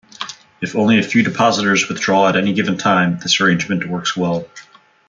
If only a few depositors withdraw at any given time, this arrangement works well.